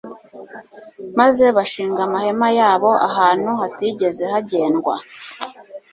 maze bashinga amahema yabo ahantu hatigeze hagendwa